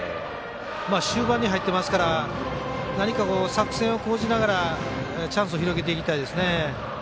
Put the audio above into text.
終盤に入ってますから何か、作戦を講じながらチャンスを広げていきたいですね。